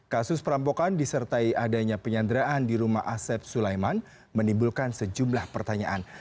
kasus perampokan disertai adanya penyanderaan di rumah asep sulaiman menimbulkan sejumlah pertanyaan